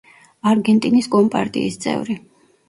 არგენტინის კომპარტიის წევრი.